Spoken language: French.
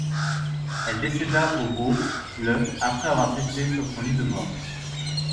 Elle décéda aux Baux le après avoir testé sur son lit de mort.